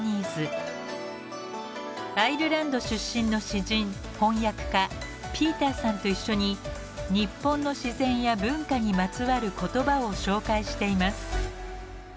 アイルランド出身の詩人・翻訳家ピーターさんと一緒に日本の自然や文化にまつわる言葉を紹介しています。